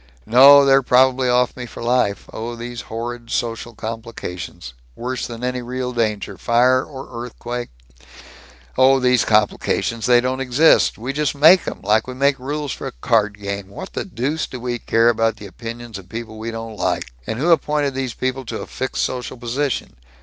"No. They're probably off me for life. Oh, these horrible social complications worse than any real danger fire or earthquake " "Oh, these complications they don't exist! We just make 'em, like we make rules for a card game. What the deuce do we care about the opinions of people we don't like? And who appointed these people to a fixed social position?